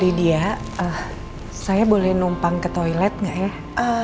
lydia saya boleh numpang ke toilet gak ya